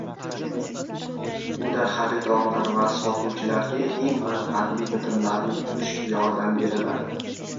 Unda xaridorlar va sotuvchilarga eng manfaatli bitimlarni tuzishga yordam beriladi.